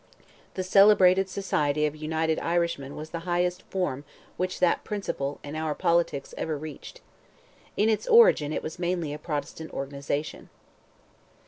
The celebrated society of United Irishmen was the highest form which that principle, in our politics, ever reached. In its origin, it was mainly a Protestant organization.